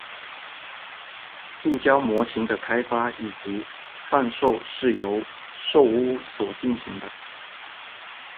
塑胶模型的开发以及贩售是由寿屋所进行的。